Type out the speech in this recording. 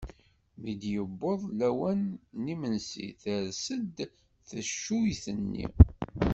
Mi d-yewweḍ lawan n yimensi ters-d teccuyt-nni.